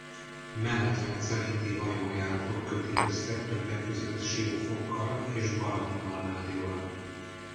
Menetrend szerinti hajójáratok kötik össze többek között Siófokkal és Balatonalmádival.